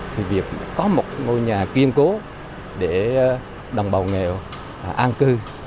thì việc có một ngôi nhà kiên cố để đồng bào nghèo an cư